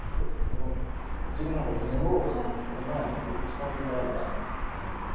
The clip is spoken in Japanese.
この持ち駒の銀を５七にこう打ち込んでこられた場面ですね。